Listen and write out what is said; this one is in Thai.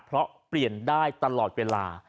เพราะเปลี่ยนได้ตลอดเวลา